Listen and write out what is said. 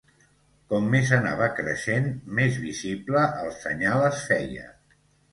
Com més anava creixent, més visible el senyal es feia.